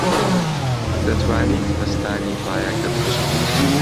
دەتوانیت پەستانی تایەکە بپشکنیت؟